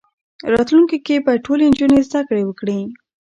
راتلونکي کې به ټولې نجونې زدهکړې وکړي.